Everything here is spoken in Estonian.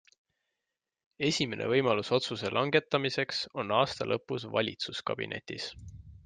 Esimene võimalus otsuse langetamiseks on aasta lõpus valitsuskabinetis.